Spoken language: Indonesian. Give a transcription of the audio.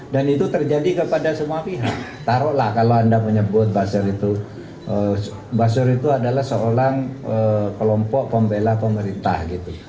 dan itu terjadi kepada semua pihak taruhlah kalau anda menyebut bazar itu bazar itu adalah seorang kelompok pembela pemerintah gitu